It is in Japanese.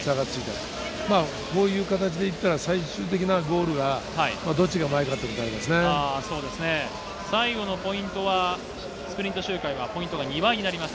まあ、こういう形でいったら、最終的なゴールが、どっちが前か最後のポイントは、スプリント周回がポイントが２倍になります。